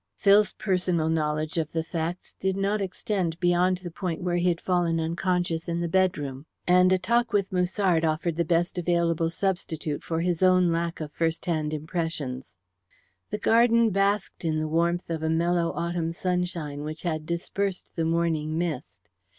Phil's personal knowledge of the facts did not extend beyond the point where he had fallen unconscious in the bedroom, and a talk with Musard offered the best available substitute for his own lack of first hand impressions. The garden basked in the warmth of a mellow autumn sunshine which had dispersed the morning mist.